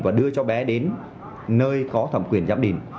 và đưa cho bé đến nơi có thẩm quyền giám định